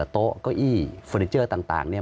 โต๊ะเก้าอี้เฟอร์นิเจอร์ต่างเนี่ย